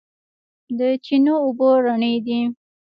د چینو اوبه رڼې دي